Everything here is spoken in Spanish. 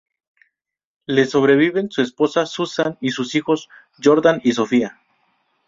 Le sobreviven su esposa, Susan, y sus hijos, Jordan y Sophia.